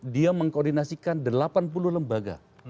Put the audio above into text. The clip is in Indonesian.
dia mengkoordinasikan delapan puluh lembaga